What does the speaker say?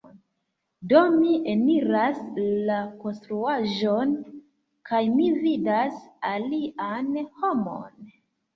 Do mi eniras la konstruaĵon kaj mi vidas alian homon.